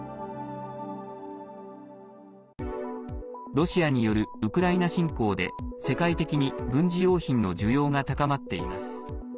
ロシアによるウクライナ侵攻で世界的に、軍事用品の需要が高まっています。